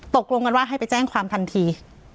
ตกลงกันว่าให้ไปแจ้งความทันที